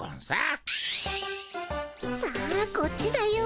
さあこっちだよ。